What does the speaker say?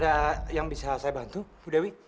ada yang bisa saya bantu bu dewi